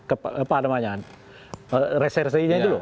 apa namanya resersenya itu loh